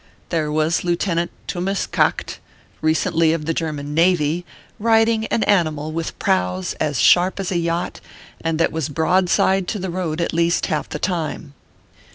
There was Lieutenant Tummis Kagcht, re cently of the German navy, riding an animal with prows as sharp as a yacht and that was broadside to to the road at least half the time.